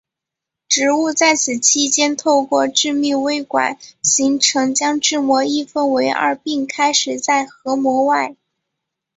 植物在此期间透过致密微管形成将质膜一分为二并开始在核膜外。